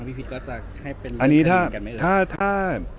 พี่พีชก็จะให้เป็นเรื่องคดีเหมือนกันไหม